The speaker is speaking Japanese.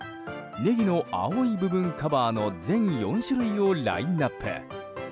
ねぎの青い部分カバーの全４種類をラインアップ。